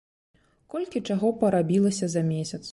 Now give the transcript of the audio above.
Колькі чаго парабілася за месяц!